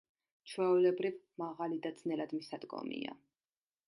ჩვეულებრივ, მაღალი და ძნელად მისადგომია.